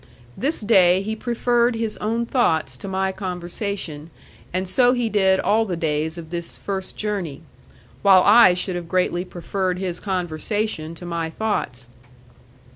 This day he preferred his own thoughts to my conversation, and so he did all the days of this first journey; while I should have greatly preferred his conversation to my thoughts.